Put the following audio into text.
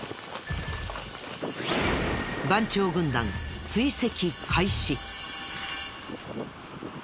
番長軍団追跡開始！